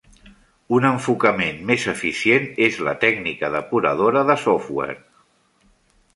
Un enfocament més eficient és la tècnica depuradora de software.